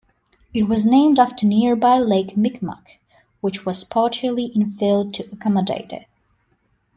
It was named after nearby Lake Micmac, which was partially in-filled to accommodate it.